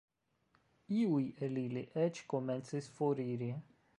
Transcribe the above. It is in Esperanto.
Iuj el ili eĉ komencis foriri.